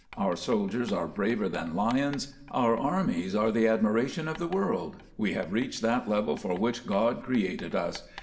Our soldiers are braver than lions, our armies are the admiration of the world, we have reached that level for which God created us.